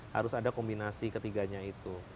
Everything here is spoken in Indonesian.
harus ada kombinasi ketiganya itu